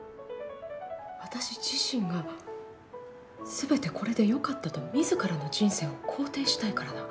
私自身がすべてこれで良かったと自らの人生を肯定したいからだ。